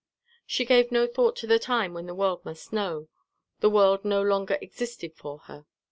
She gave no thought to the time when the world must know; the world no longer existed for her.